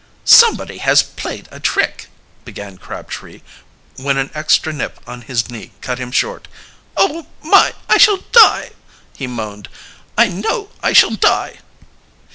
"Somebody has played a trick," began Crabtree when an extra nip on his knee cut him short. "Oh, my, I shall die!" he moaned. "I know I shall die!"